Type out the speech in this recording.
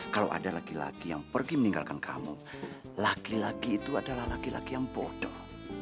kalau ada laki laki yang pergi meninggalkan kamu laki laki itu adalah laki laki yang bodoh